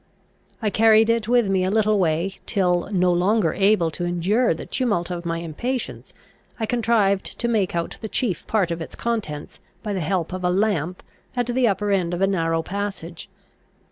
I carried it with me a little way, till, no longer able to endure the tumult of my impatience, I contrived to make out the chief part of its contents, by the help of a lamp, at the upper end of a narrow passage.